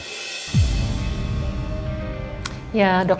ya dokter sudah izinin pulang